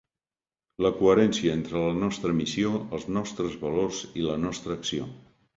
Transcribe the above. La coherència entre la nostra missió, els nostres valors i la nostra acció.